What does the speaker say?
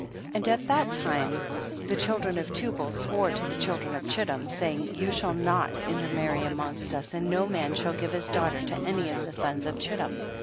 4. And at that time the children of Tubal swore to the children of Chittim, saying, you shall not inter marry amongst us, and no man shall give his daughter to any of the sons of Chittim.